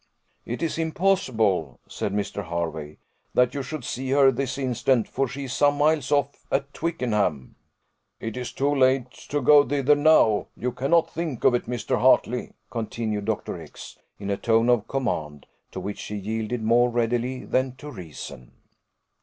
"It is impossible," said Mr. Hervey, "that you should see her this instant, for she is some miles off, at Twickenham." "It is too late to go thither now; you cannot think of it, Mr. Hartley," continued Dr. X , in a tone of command, to which he yielded more readily than to reason.